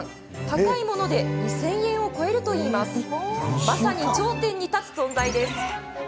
高いもので２０００円を超えるというまさに頂点に立つ存在なんです。